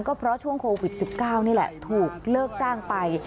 ก็เพราะช่วงโควิด๑๙นี่แหละถูกเลิกจ้างไป